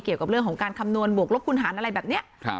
เกี่ยวกับเรื่องของการคำนวณบวกลบคุณหารอะไรแบบนี้